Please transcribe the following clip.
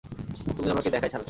তুমি আমাকে দেখাই ছাড়লে।